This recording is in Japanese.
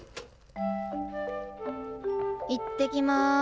いってきます。